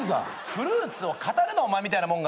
フルーツを語るなお前みたいな者が。